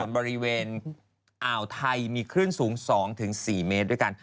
บริเวณอ่าวไทยมีคลื่นสูง๒๔เมตรด้วยกัน